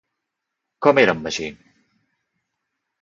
Com era en Magí?